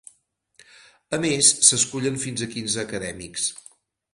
A més, s'escullen fins a quinze acadèmics.